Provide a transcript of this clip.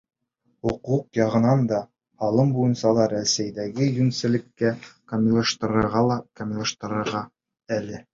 Хоҡуҡ яғынан да, һалым буйынса ла Рәсәйҙәге йүнселлеккә камиллаштырырға ла камиллашырға әле.